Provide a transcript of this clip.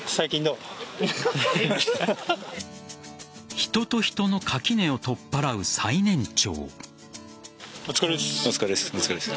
人と人の垣根を取っ払う最年長。